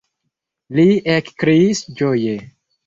li ekkriis ĝoje.